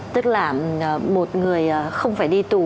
tức là một người không phải đi tù